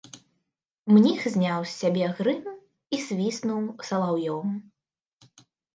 Мніх зняў з сябе грым і свіснуў салаўём.